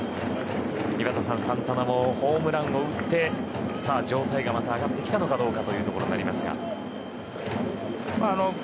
井端さん、サンタナもホームランを打って状態がまた上がってきたのかというところですが。